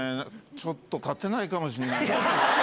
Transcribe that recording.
ちょっと勝てないかもしれない。